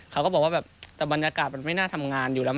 เขาก็บอกว่าแบบแต่บรรยากาศมันไม่น่าทำงานอยู่แล้วม